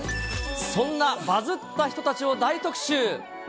そんなバズった人たちを大特集。